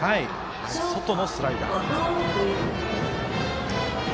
外のスライダー。